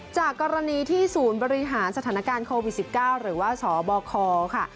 จากกรณีที่ศูนย์บริหารสถานการณ์โควิด๑๙หรือว่าสบคค่ะ